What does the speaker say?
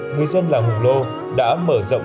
người dân làng hùng lô đã mở rộng